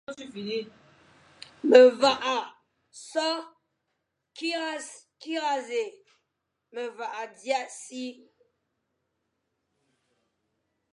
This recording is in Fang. Me vagha so kirase, mé vagha dia si,